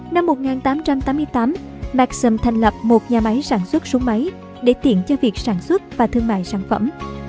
năm một nghìn tám trăm tám mươi tám maxim thành lập một nhà máy sản xuất súng máy để tiện cho việc sản xuất và thương mại sản phẩm